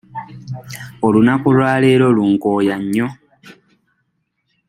Olunaku lwa leero lunkooya nnyo.